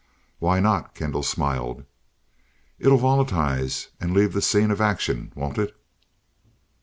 "Why not?" Kendall smiled. "It'll volatilize and leave the scene of action, won't it?"